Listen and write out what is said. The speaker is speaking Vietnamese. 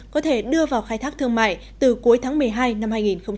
có thể đưa vào khai thác thương mại từ cuối tháng một mươi hai năm hai nghìn hai mươi